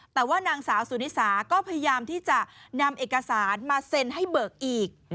แต่ว่านางสาวสุนิสาก็พยายามที่จะนำเอกสารมาเซ็นให้เบิกอีก